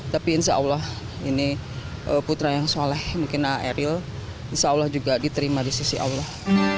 tapi insya allah ini putra yang soleh mungkin eril insya allah juga diterima di sisi allah